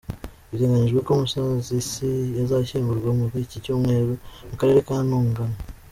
Biteganyijwe ko Musasizi azashyingurwa muri iki cyumweru mu karere ka Ntungamo.